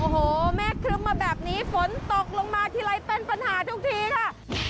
โอ้โหแม่ครึ้มมาแบบนี้ฝนตกลงมาทีไรเป็นปัญหาทุกทีค่ะ